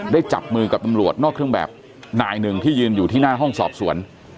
จับมือกับตำรวจนอกเครื่องแบบนายหนึ่งที่ยืนอยู่ที่หน้าห้องสอบสวน